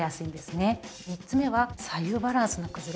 ３つ目は左右バランスの崩れ。